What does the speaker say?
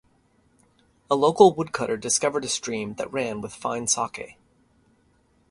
A local woodcutter discovered a stream that ran with fine sake.